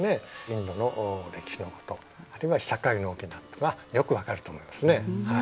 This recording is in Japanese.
インドの歴史のことあるいは社会の大きなことがよく分かると思いますね。